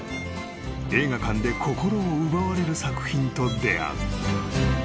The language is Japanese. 映画館で心を奪われる作品と出合う］